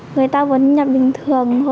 người ta vẫn nhập bình thường thôi ạ